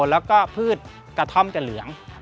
แล้วก็พืชกระท่อมจะเหลือง